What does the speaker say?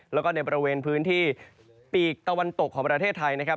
แล้วก็ในบริเวณพื้นที่ปีกตะวันตกของประเทศไทยนะครับ